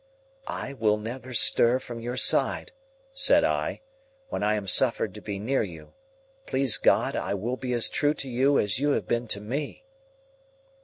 "I will never stir from your side," said I, "when I am suffered to be near you. Please God, I will be as true to you as you have been to me!"